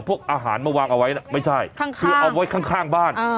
พวกอาหารมาวางเอาไว้ไม่ใช่คือเอาไว้ข้างบ้าน